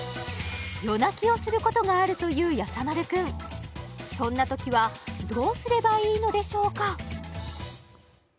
夜泣きをすることがあるというやさ丸くんそんなときはどうすればいいのでしょうか？